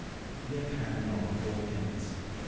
We have had in all four tenants."